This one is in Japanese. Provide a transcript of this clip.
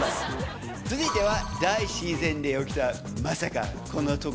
続いては。